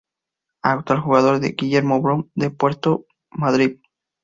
Actual jugador de Guillermo Brown de Puerto Madryn.